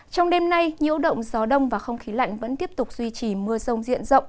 trong đêm nay nhiễu động gió đông và không khí lạnh vẫn tiếp tục duy trì mưa sông diện rộng